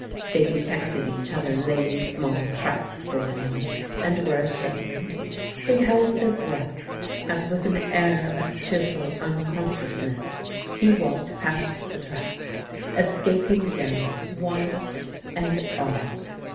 They detected each other laying small traps for him, and were ashamed. They held their breath as with an air of cheerful unconsciousness he walked past the traps, escaping them one and all.